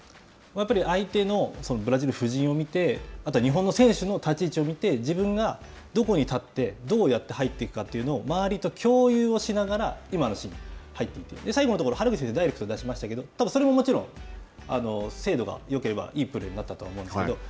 やっぱり相手のブラジルの布陣を見て、あと日本の選手の立ち位置を見て、自分がどこに立って、どうやって入っていくかというのを周りと共有をしながら今のシーン入っていって、最後のシーン、原口選手はダイレクトで出しましたけど、たぶん、それももちろん、精度がよければいいプレーになったと思うんですけれども。